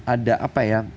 ada apa ya